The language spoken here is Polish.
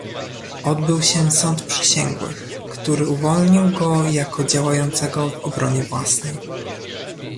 "Odbył się sąd przysięgłych, który uwolnił go jako działającego w obronie własnej."